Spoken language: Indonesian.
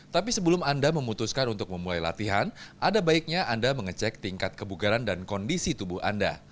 tapi sebelum anda memutuskan untuk memulai latihan ada baiknya anda mengecek tingkat kebugaran dan kondisi tubuh anda